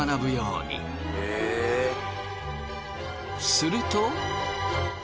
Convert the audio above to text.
すると。